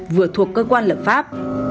vừa thuộc cơ quan lập pháp